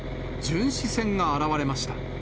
巡視船が現れました。